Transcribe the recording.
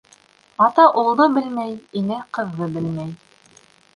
Ата улды белмәй, инә ҡыҙҙы белмәй.